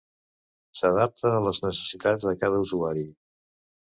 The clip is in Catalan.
S'adapta a les necessitats de cada usuari.